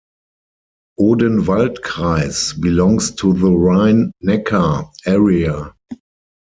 "Odenwaldkreis" belongs to the Rhine Neckar Area.